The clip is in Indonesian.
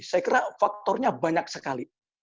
saya kira kotornya banyak sekali